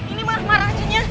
ini mah marah jinnya